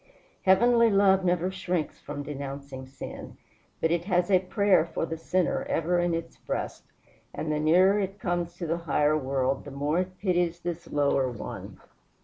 Heavenly love never shrinks from denouncing sin; but it has a prayer for the sinner ever in its breast, and the nearer it comes to the higher world the more it pities this lower one.